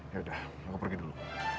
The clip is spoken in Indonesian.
ya udah kamu pergi dulu